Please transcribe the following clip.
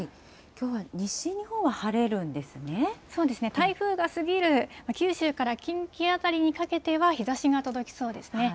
そうですね、台風が過ぎる九州から近畿辺りにかけては日ざしが届きそうですね。